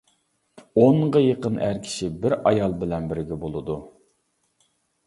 ئونغا يېقىن ئەر كىشى بىر ئايال بىلەن بىرگە بولىدۇ.